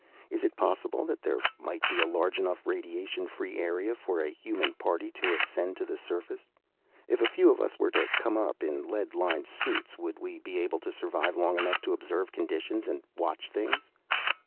Is it possible that there might be a large enough radiation free area for a human party to ascend to the surface? If a few of us were to come up in lead lined suits, would we be able to survive long enough to observe conditions and watch things?"